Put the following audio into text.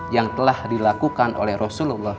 yang telah dilakukan oleh rasulullah